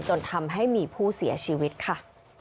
จนทำให้มีผู้เสียชีวิตค่ะ